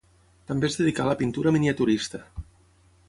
També es dedicà a la pintura miniaturista.